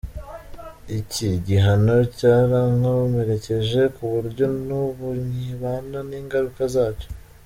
Iki gihano cyarankomerekeje ku buryo n’ubu nkibana n’ingaruka zacyo.